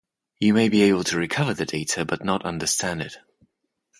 You may be able to recover the data, but not understand it.